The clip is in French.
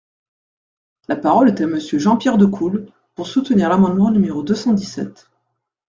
La parole est à Monsieur Jean-Pierre Decool, pour soutenir l’amendement numéro deux cent dix-sept.